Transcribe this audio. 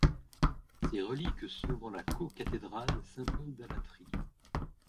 Ses reliques sont dans la co-cathédrale Saint-Paul d'Alatri.